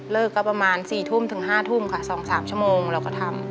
เลิกก็ประมาณ๔๕ทุ่ม๓ชั่วโมงเราก็ทำ